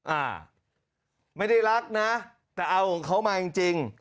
อ่าไม่ได้รักนะแต่เอาของเขามาจริงจริง